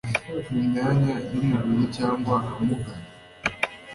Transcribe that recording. mu myanya y umubiri cyangwa amugara